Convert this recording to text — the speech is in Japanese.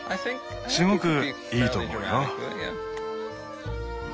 すごくいいと思うよ。